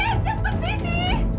jangan ke sini